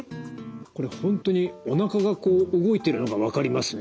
これ本当におなかがこう動いてるのが分かりますね。